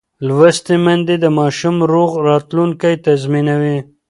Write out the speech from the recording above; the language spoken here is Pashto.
لوستې میندې د ماشوم روغ راتلونکی تضمینوي.